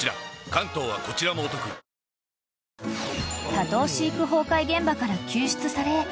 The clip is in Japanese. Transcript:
［多頭飼育崩壊現場から救出され